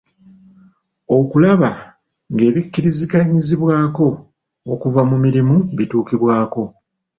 Okulaba ng'ebikkiriziganyizibwako okuva mu mirimu bituukibwako.